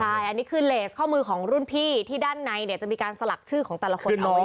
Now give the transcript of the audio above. ใช่อันนี้คือเลสข้อมือของรุ่นพี่ที่ด้านในเนี่ยจะมีการสลักชื่อของแต่ละคนเอาไว้